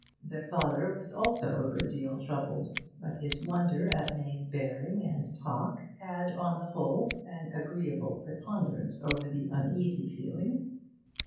The father was also a good deal troubled; but his wonder at May's bearing and talk had, on the whole, an agreeable preponderance over the uneasy feeling.